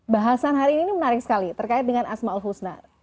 bahasan hari ini menarik sekali terkait dengan asma'ul husna